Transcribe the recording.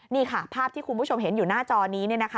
นี่ค่ะภาพที่คุณผู้ชมเห็นอยู่หน้าจอนี้